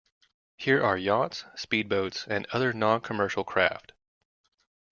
Here are yachts, speedboats, and other non-commercial craft.